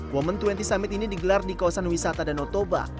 women dua puluh summit ini digelar di kawasan wisata danau toba